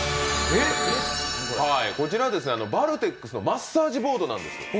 こちら、バルテックスのマッサージボードなんです。